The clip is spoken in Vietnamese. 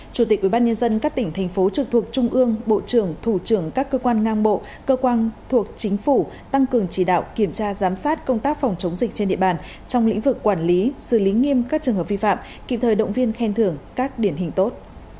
chủ tịch ubnd các tỉnh thành phố trực thuộc trung ương bộ trưởng thủ trưởng các cơ quan ngang bộ cơ quan thuộc chính phủ tăng cường chỉ đạo kiểm tra giám sát công tác phòng chống dịch trên địa bàn trong lĩnh vực quản lý xử lý nghiêm các trường hợp vi phạm kịp thời động viên khen thưởng các điển hình tốt